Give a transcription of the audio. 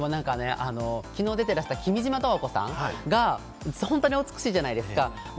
昨日、出てらした君島十和子さんが本当にお美しいじゃないですか。